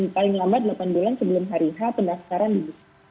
paling lambat delapan bulan sebelum hari h pendaftaran dibuka